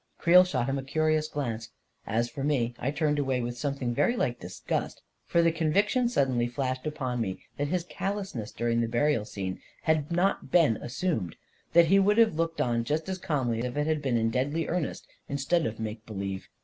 Creel shot him a curious glance; as for me, I turned away with something very like disgust, for the conviction suddenly flashed upon me that his ' A KING IN BABYLON 263 callousness during the burial scene had not been assumed; that he would have looked on just as calmly if it had been in deadly earnest instead of make believe